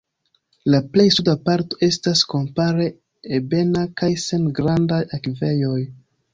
La plej suda parto estas kompare ebena kaj sen grandaj akvejoj.